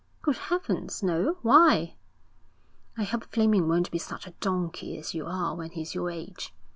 'Good heavens, no. Why?' 'I hope Fleming won't be such a donkey as you are when he's your age.'